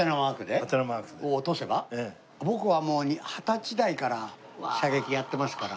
僕はもう二十歳代から射撃やってますから。